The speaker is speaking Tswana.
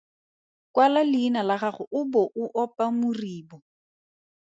Kwala leina la gago o bo o opa moribo.